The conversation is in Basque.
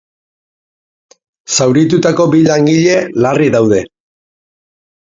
Zauritutako bi langile larri daude.